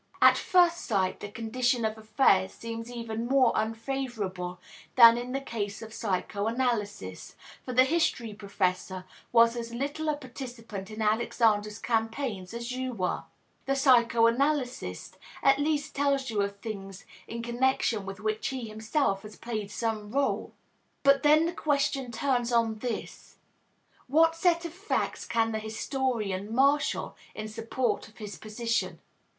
At first sight, the condition of affairs seems even more unfavorable than in the case of psychoanalysis, for the history professor was as little a participant in Alexander's campaigns as you were; the psychoanalyst at least tells you of things in connection with which he himself has played some role. But then the question turns on this what set of facts can the historian marshal in support of his position?